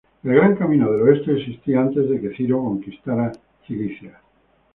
El gran camino del oeste existía antes de que Ciro conquistara Cilicia.